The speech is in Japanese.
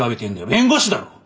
弁護士だろ！？